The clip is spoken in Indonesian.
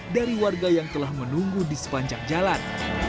dari warga yang telah menunggu di sepanjang jalan